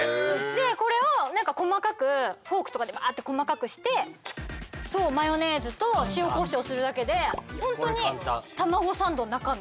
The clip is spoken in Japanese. でこれを何か細かくフォークとかでバーッて細かくしてそうマヨネーズと塩こしょうするだけで本当にたまごサンドの中身。